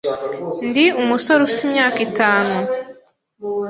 Ndi umusore ufite imyaka itanu.